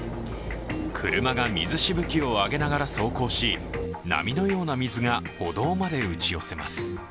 車が水しぶきを上げながら走行し波のような水が歩道まで打ち寄せます。